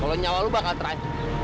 kalo nyawa lu bakal terancuk